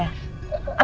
apa dia masuknya